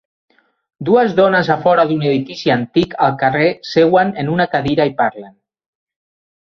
Dues dones a fora d'un edifici antic al carrer seuen en una cadira i parlen.